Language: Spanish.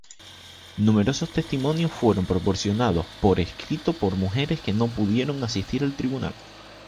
Numerosos testimonios fueron proporcionados por escrito por mujeres que no pudieron asistir al tribunal.